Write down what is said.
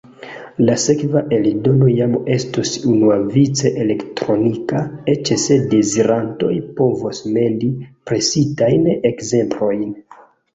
La sekva eldono jam estos unuavice elektronika, eĉ se dezirantoj povos mendi presitajn ekzemplerojn.